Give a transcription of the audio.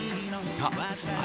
あ